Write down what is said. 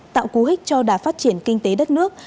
tạo cú hích cho đà phát triển kinh tế đất nước